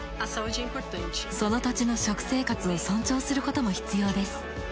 その土地の食生活を尊重することも必要です。